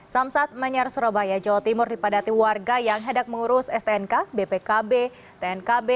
samsat manyar surabaya jawa timur dipadati warga yang hendak mengurus stnk bpkb tnkb